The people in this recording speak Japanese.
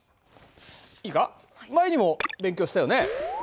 いいか前にも勉強したよね？